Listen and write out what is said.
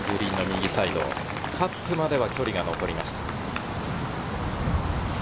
カップまでは距離が残りました。